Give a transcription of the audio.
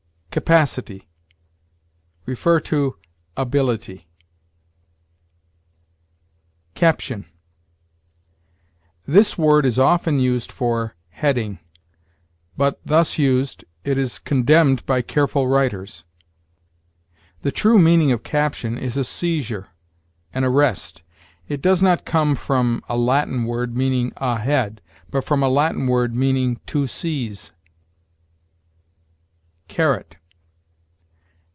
CAPACITY. See ABILITY. CAPTION. This word is often used for heading, but, thus used, it is condemned by careful writers. The true meaning of caption is a seizure, an arrest. It does not come from a Latin word meaning a head, but from a Latin word meaning to seize. CARET.